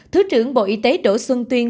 thứ trưởng bộ y tế đỗ xuân tuyên